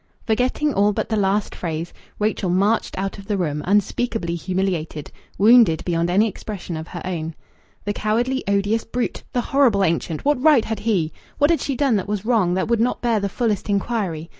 Forgetting all but the last phrase, Rachel marched out of the room, unspeakably humiliated, wounded beyond any expression of her own. The cowardly, odious brute! The horrible ancient! What right had he?... What had she done that was wrong, that would not bear the fullest inquiry.